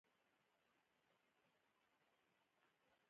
ډېر پخوا وو خلیفه د عباسیانو